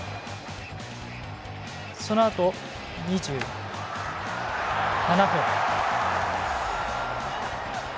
そのあと、２７分。